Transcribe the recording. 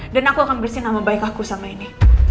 dan aku akan bersin nama baik aku sama ini